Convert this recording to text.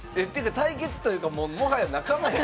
対決というかもはや仲間やん！